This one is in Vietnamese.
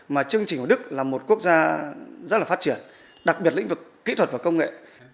mà chương trình của đức là một quốc gia rất là phát triển đặc biệt lĩnh vực kỹ thuật và công nghệ